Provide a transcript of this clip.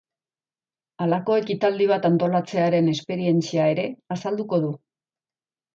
Halako ekitaldi bat antolatzearen esperientzia ere azalduko du.